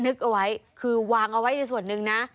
นึกเอาไว้คือวางเอาไว้ในส่วนหนึ่งนะ